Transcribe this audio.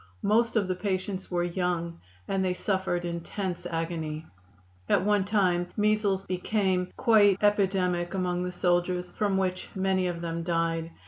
Most of the patients were young, and they suffered intense agony. At one time measles became quite epidemic among the soldiers, from which many of them died.